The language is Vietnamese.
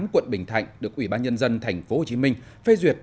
quận bình thạnh được ủy ban nhân dân tp hcm phê duyệt